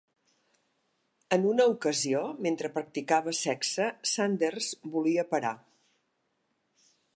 En una ocasió, mentre practicava sexe, Sanders volia parar.